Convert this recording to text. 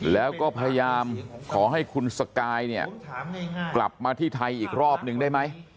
แล้วก็พยายามขอให้คุณสกายเนี่ยกลับมาที่ไทยอีกรอบนึงได้ไหม